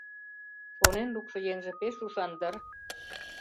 Шонен лукшо еҥже пеш ушан дыр?